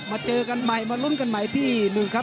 มาเจอกันใหม่มารุนกันใหม่ที๑